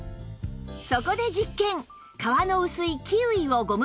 そこで実験